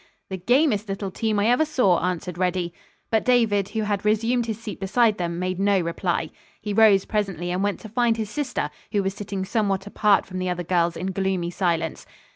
"The gamest little team I ever saw," answered Reddy. But David, who had resumed his seat beside them, made no reply. He rose presently and went to find his sister, who was sitting somewhat apart from the other girls in gloomy silence.